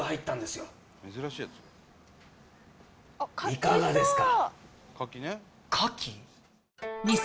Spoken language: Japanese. いかがですか？